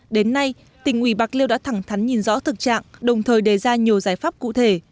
đến nay tỉnh ủy bạc liêu đã thẳng thắn nhìn rõ thực trạng đồng thời đề ra nhiều giải pháp cụ thể